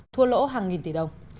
thua lỗ hàng nghìn tỷ đồng